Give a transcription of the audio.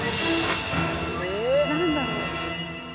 何だろう？